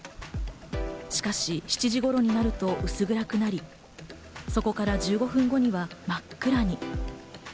しかし７時頃になると薄暗くなり、そこから１５分後には真っ暗に。